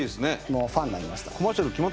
もうファンになりました。